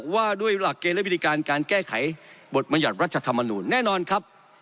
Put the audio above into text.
ว่าด้วยหลักเกณฑ์และวิธีการการแก้ไขบทบรรยัติรัฐธรรมนูลแน่นอนครับ